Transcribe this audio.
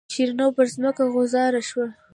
شیرینو پر ځمکه غوځاره شوه.